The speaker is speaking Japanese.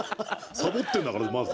サボってんだからまず。